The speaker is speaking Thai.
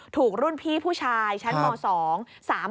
ถูกรุ่นพี่ผู้ชายชั้นม๒